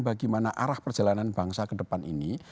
bagaimana arah perjalanan bangsa ke depan ini